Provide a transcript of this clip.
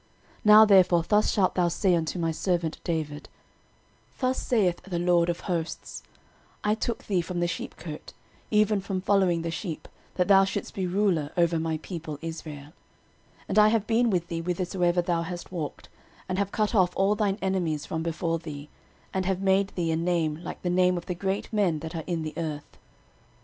13:017:007 Now therefore thus shalt thou say unto my servant David, Thus saith the LORD of hosts, I took thee from the sheepcote, even from following the sheep, that thou shouldest be ruler over my people Israel: 13:017:008 And I have been with thee whithersoever thou hast walked, and have cut off all thine enemies from before thee, and have made thee a name like the name of the great men that are in the earth.